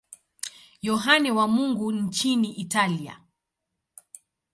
Yohane wa Mungu nchini Italia.